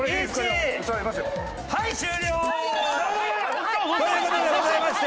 はい終了！という事でございまして。